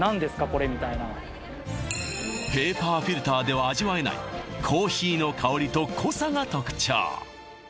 これみたいなペーパーフィルターでは味わえないコーヒーの香りと濃さが特徴